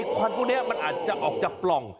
ควันพวกนี้มันอาจจะออกจากปล่อง